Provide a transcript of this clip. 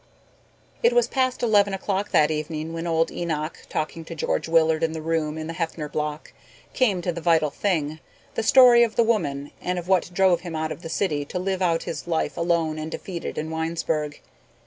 It was past eleven o'clock that evening when old Enoch, talking to George Willard in the room in the Heffner Block, came to the vital thing, the story of the woman and of what drove him out of the city to live out his life alone and defeated in Winesburg.